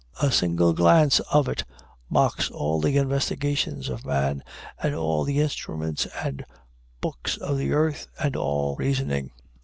A single glance of it mocks all the investigations of man, and all the instruments and books of the earth, and all reasoning.